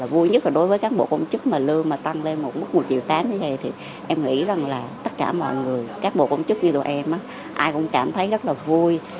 vui nhất là đối với các bộ công chức mà lương tăng lên một triệu tán như thế này em nghĩ là tất cả mọi người các bộ công chức như tụi em ai cũng cảm thấy rất là vui